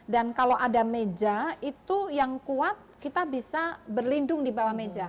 dan kalau ada meja itu yang kuat kita bisa berlindung di bawah meja